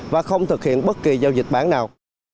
và không thực hiện bất kỳ giao dịch bán nào